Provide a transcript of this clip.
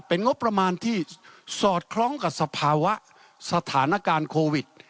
เป็นงบประมาณที่สอดคล้องกับสภาวะสถานการณ์โควิด